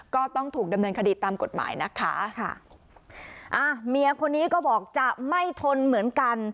ก็ต้องถูกดำเนินคดีตามกฎหมายนะคะค่ะอ่าเมียคนนี้ก็บอกจะไม่ทนเหมือนกัน